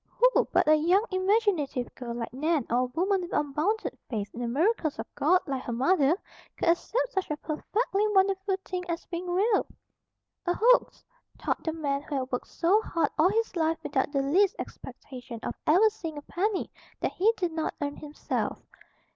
Who but a young imaginative girl, like Nan, or a woman with unbounded faith in the miracles of God, like her mother, could accept such a perfectly wonderful thing as being real? "A hoax," thought the man who had worked so hard all his life without the least expectation of ever seeing a penny that he did not earn himself.